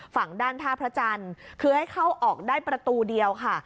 ฝั่งด้านท่าพระจันทร์คือให้เข้าออกได้ประตูเดียวค่ะ